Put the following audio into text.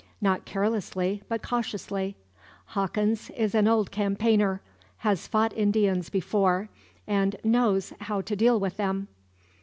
Not carelessly, but cautiously. Hawkins is an old campaigner, has fought Indians before, and knows how to deal with them.